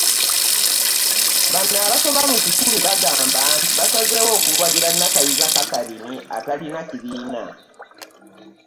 Bano abasoba mu kikumi bagamba nti basazeewo okuwagira Nakayiza Catherine atalina kibiina